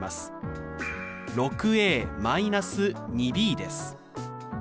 ６−２ｂです。